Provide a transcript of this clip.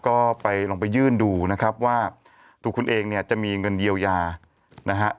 ก็ไปลองไปยื่นดูนะครับว่าตัวคุณเองเนี่ยจะมีเงินเยียวยานะฮะ